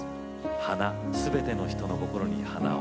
「花すべての人の心に花を」。